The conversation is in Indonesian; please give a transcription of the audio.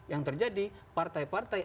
yang terjadi partai partai